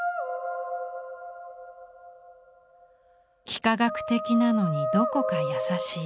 幾何学的なのにどこか優しい。